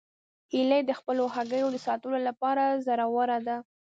هیلۍ د خپلو هګیو د ساتلو لپاره زړوره ده